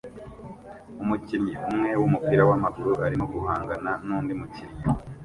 Umukinnyi umwe wumupira wamaguru arimo guhangana nundi mukinnyi